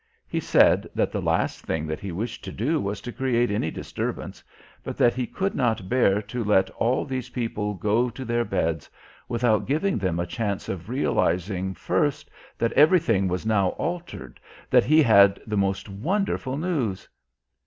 He said that the last thing that he wished to do was to create any disturbance, but that he could not bear to let all these people go to their beds without giving them a chance of realizing first that everything was now altered, that he had the most wonderful news..